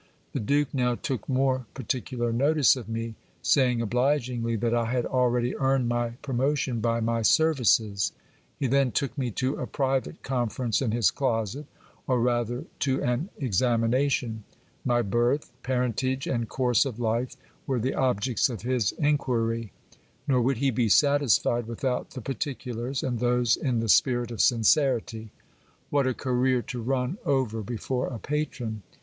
The duke now took more particu lar notice of me, saying obligingly, that I had already earned my promotion by my services. He then took me to a private conference in his closet, or rather to an examination. My birth, parentage, and course of life were the objects of his inquiiy ; nor would he be satisfied without the particulars, and those in the spirit of sincerity. What a career to run over before a patron !